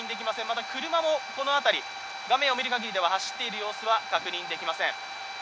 また車もこの辺り画面を見る限りでは走っている様子は確認できません。